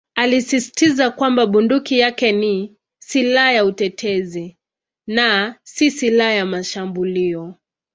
Alisisitiza kwamba bunduki yake ni "silaha ya utetezi" na "si silaha ya mashambulio".